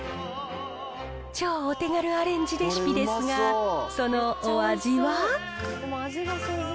超お手軽アレンジレシピですが、そのお味は？